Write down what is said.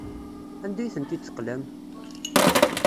Anda ay tent-id-teqlam?